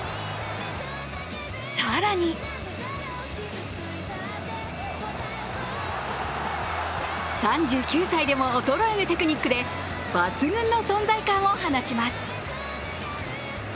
更に３９歳でも衰えぬテクニックで抜群の存在感を放ちます。